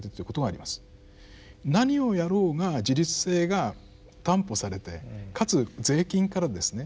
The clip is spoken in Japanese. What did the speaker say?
何をやろうが自立性が担保されてかつ税金からですね